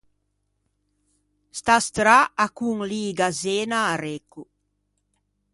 Sta strâ a conliga Zena à Recco.